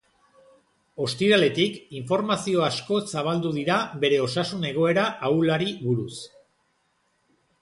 Ostiraletik, informazio asko zabaldu dira bere osasun egoera ahulari buruz.